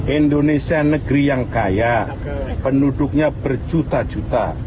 indonesia negeri yang kaya penduduknya berjuta juta